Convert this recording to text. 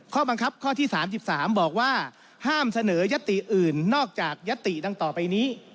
ข้อบังคับข้อที่๓๓บอกว่าห้ามเสนอยัตติอื่นนอกจากยัตติดังต่อไปนี้